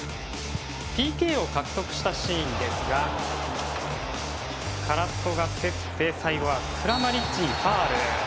ＰＫを獲得したシーンですがカラスコが競って最後はクラマリッチにファウル。